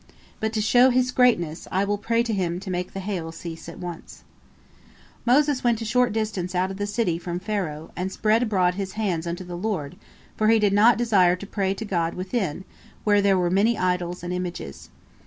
But to show His greatness, I will pray to Him to make the hail to cease." Moses went a short distance out of the city from Pharaoh, and spread abroad his hands unto the Lord, for he did not desire to pray to God within, where there were many idols and images.